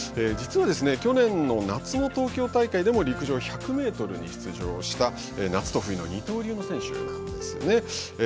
実は去年の夏の東京大会でも陸上１００ｍに出場した夏と冬の二刀流の選手なんですね。